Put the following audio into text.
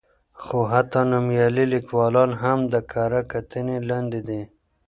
خو حتی نومیالي لیکوالان هم د کره کتنې لاندې دي.